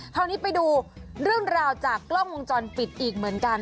คราวนี้ไปดูเรื่องราวจากกล้องวงจรปิดอีกเหมือนกัน